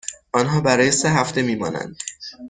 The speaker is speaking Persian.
آنها برای سه هفته می مانند.